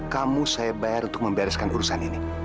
kamu saya bayar untuk membereskan urusan ini